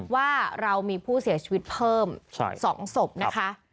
ว่าเรามีผู้เสียชีวิตเพิ่ม๒ศพนะคะ